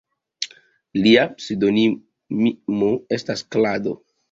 Lia pseŭdonimo estis "Klado".